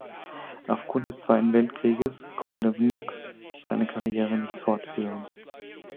Aufgrund des Zweiten Weltkrieges konnte Wnuk seine Karriere nicht fortführen.